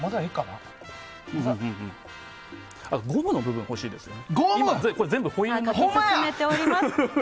ゴムの部分欲しいですよね。